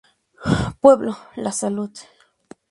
Pueblo: La Salud.